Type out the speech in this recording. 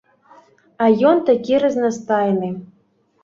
А ён такі разнастайны!